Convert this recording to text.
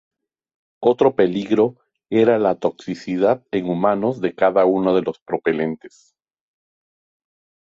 Otro peligro era la toxicidad en humanos de cada uno de los propelentes.